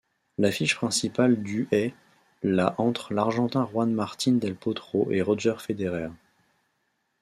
L'affiche principale du est la entre l'Argentin Juan Martín del Potro et Roger Federer.